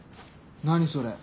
何それ？